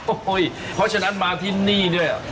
เพราะฉะนั้นมาที่นี่ด้วย